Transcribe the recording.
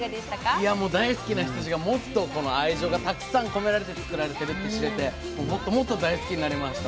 いやもう大好きな羊がもっとこの愛情がたくさん込められて作られてるって知れてもっともっと大好きになりました。